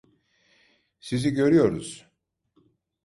Sizi görüyoruz.